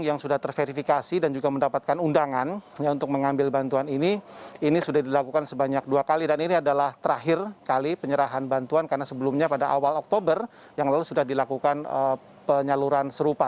yang sudah terverifikasi dan juga mendapatkan undangan untuk mengambil bantuan ini ini sudah dilakukan sebanyak dua kali dan ini adalah terakhir kali penyerahan bantuan karena sebelumnya pada awal oktober yang lalu sudah dilakukan penyaluran serupa